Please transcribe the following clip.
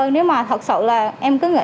nếu mà thật sự là em cứ nghĩ